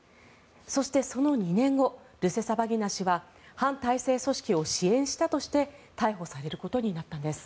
そして、その２年後ルセサバギナ氏は反体制組織を支援したとして逮捕されることになったんです。